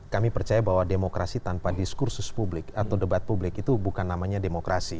kami percaya bahwa demokrasi tanpa diskursus publik atau debat publik itu bukan namanya demokrasi